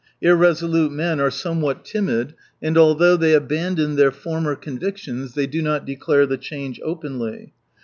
Irresolute men are somewhat timid, and although they abandon their former con victions they do not declare the change openly.